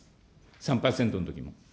３％のときも。